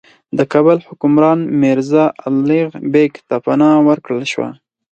د کابل حکمران میرزا الغ بېګ ته پناه ورکړل شوه.